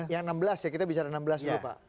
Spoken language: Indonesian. yang enam belas ya kita bicara enam belas dulu pak